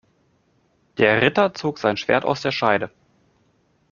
Der Ritter zog sein Schwert aus der Scheide.